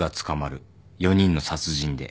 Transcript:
４人の殺人で。